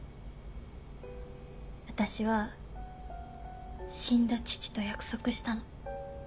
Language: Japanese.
私は死んだ父と約束したの。